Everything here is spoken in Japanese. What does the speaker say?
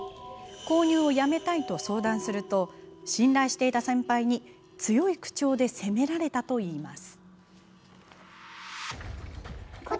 購入をやめたいと相談すると信頼していた先輩に、強い口調で責められたといいます。